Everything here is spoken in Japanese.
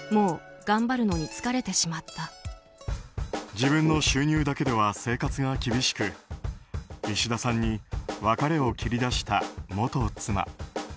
自分の収入だけでは生活が厳しくいしださんに別れを切り出した元妻。